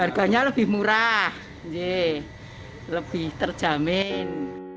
harganya lebih murah lebih terjamin